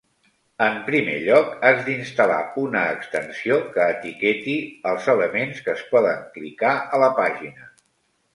En primer lloc, has d'instal·lar una extensió que etiqueti els elements que es poden clicar a la pàgina.